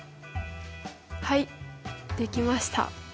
はいできました。